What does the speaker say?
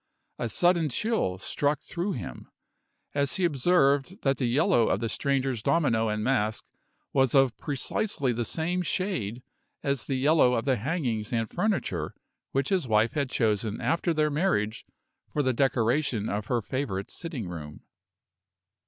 A sudden chill struck through him, as he observed that the yellow of the stranger's domino and mask was of precisely the same shade as the yellow of the hangings and furniture which his wife had chosen after their marriage for the decoration of her favorite sitting room.